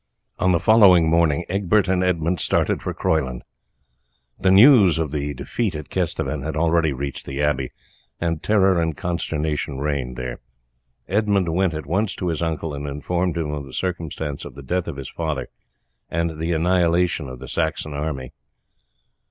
On the following morning Egbert and Edmund started for Croyland. The news of the defeat at Kesteven had already reached the abbey, and terror and consternation reigned there. Edmund went at once to his uncle and informed him of the circumstance of the death of his father and the annihilation of the Saxon army.